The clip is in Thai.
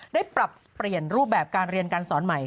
ได้ปรับเปลี่ยนรูปแบบการเรียนการสอนใหม่